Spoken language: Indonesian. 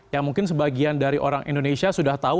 yang mungkin sebagian dari orang indonesia sudah tahu